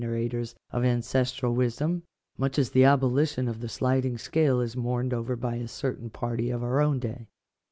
299 rators of ancestral wisdom, much as the abolition of the sliding scale is mourned over by a certain party of our own day.